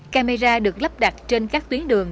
camera được lắp đặt trên các tuyến đường